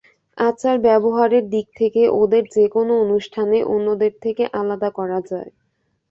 আচার-ব্যবহারের দিক থেকে ওদের যেকোনো অনুষ্ঠানে অন্যদের থেকে আলাদা করা যায়।